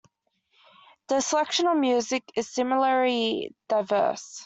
The selection of music is similarly diverse.